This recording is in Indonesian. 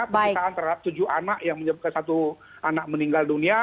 pemeriksaan terhadap tujuh anak yang menyebabkan satu anak meninggal dunia